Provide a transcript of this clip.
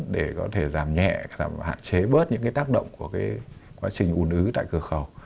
để có thể giảm nhẹ hạn chế bớt những tác động của quá trình ồn ứ tại cửa khẩu